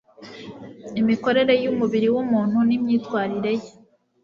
imikorere y umubiri w umuntu n imyitwarire ye